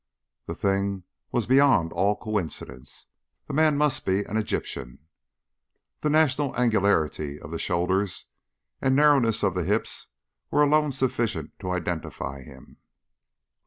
The thing was beyond all coincidence. The man must be an Egyptian. The national angularity of the shoulders and narrowness of the hips were alone sufficient to identify him.